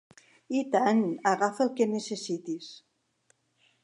I tant, agafa el que necessitis.